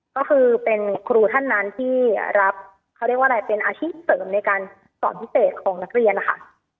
ก็คือเป็นครูท่านนั้นที่รับเขาเรียกว่าอะไรเป็นอาชีพเสริมในการสอนพิเศษของนักเรียนนะคะ